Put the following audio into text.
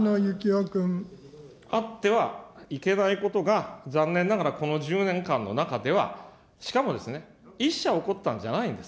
あってはいけないことが、残念ながらこの１０年間の中では、しかも１社起こったんじゃないんです。